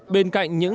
bên cạnh những